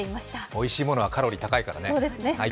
おいしいものはカロリー高いからね。